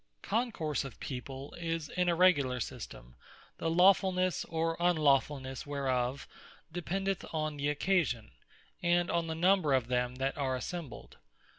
Concourse of people, is an Irregular Systeme, the lawfulnesse, or unlawfulnesse, whereof dependeth on the occasion, and on the number of them that are assembled.